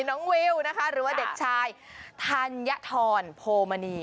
วิวนะคะหรือว่าเด็กชายธัญฑรโพมณี